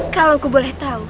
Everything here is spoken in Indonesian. kalau aku boleh tahu